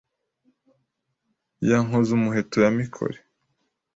Ya Nkozumuheto ya Mikore